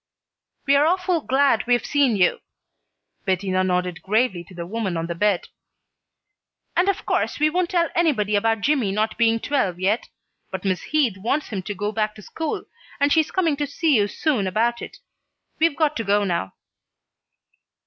"We're awful glad we've seen you." Bettina nodded gravely to the woman on the bed. "And of course we won't tell anybody about Jimmy not being twelve yet; but Miss Heath wants him to go back to school, and she's coming to see you soon about it. We've got to go now."